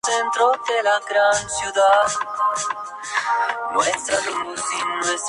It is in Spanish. Sus costas son especialmente altas y dentadas.